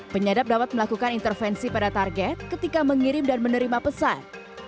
penyadap dapat melakukan intervensi pada target ketika mengirim dan menerima pesan